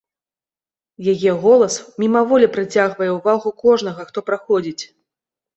Яе голас мімаволі прыцягвае ўвагу кожнага, хто праходзіць.